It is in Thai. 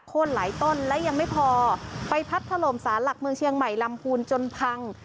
้นหลายต้นและยังไม่พอไปพัดถล่มสารหลักเมืองเชียงใหม่ลำพูนจนพัง